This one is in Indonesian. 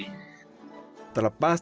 terlepas dari adanya penyelenggaraan